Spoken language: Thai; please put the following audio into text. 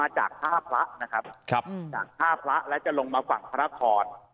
จากท่าพระนะครับจากท่าพระและจะลงมาฝั่งพระนคร